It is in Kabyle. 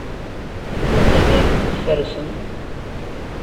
Anda ay ten-id-tfarsem?